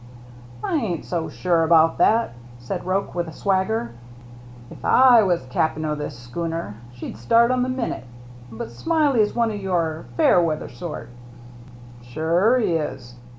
" I ain't so sure about that," said Roche, with a swagger. " If / was cap'n o' this schooner, she'd start on the minute, but Smiley's one o' your fair weather sort." "Sure he is.